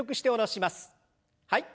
はい。